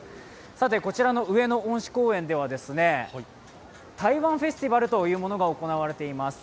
こちらの上野恩賜公園では、台湾フェスティバルというものが行われています。